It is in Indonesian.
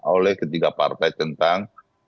oleh ketiga partai tentang